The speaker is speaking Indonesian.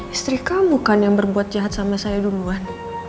istri kamu bukan yang berbuat jahat sama saya duluan